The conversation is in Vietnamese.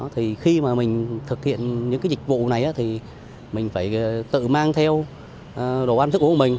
thì khi mà mình thực hiện những cái dịch vụ này thì mình phải tự mang theo đồ ăn thức của mình